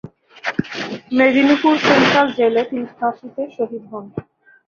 Medinipur central জেলে তিনি ফাঁসিতে শহীদ হন।